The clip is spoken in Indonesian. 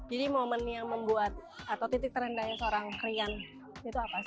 jadi momen yang membuat atau titik terendahnya seorang rian itu apa sih